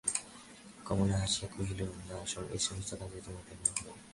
কমলা হাসিয়া কহিল, না, এ-সমস্ত কাজ তোমাদের নয়।